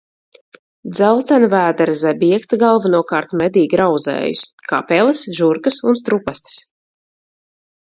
Dzeltenvēdera zebiekste galvenokārt medī grauzējus, kā peles, žurkas un strupastes.